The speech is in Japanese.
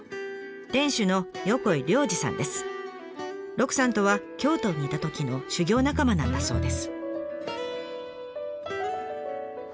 鹿さんとは京都にいたときの修業仲間なんだそうです。